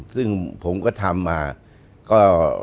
ซึ่งผมก็ทำมาก็